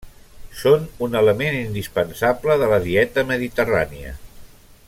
Són un element indispensable de la dieta mediterrània.